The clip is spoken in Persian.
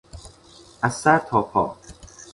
از سر تا پا